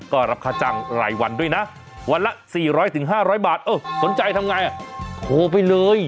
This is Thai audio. ก็รับค่าจ้างรายวันด้วยนะวันละ๔๐๐๕๐๐บาทสนใจทำไงโทรไปเลย